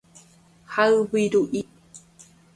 hayviru'i